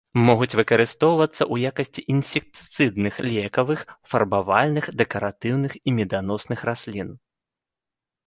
Могуць выкарыстоўвацца ў якасці інсектыцыдных, лекавых, фарбавальных, дэкаратыўных і меданосных раслін.